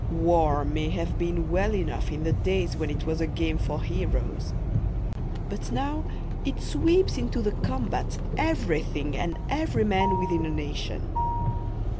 War may have been well enough in the days when it was a game for heroes, but now it sweeps into the combat everything and every man within a nation.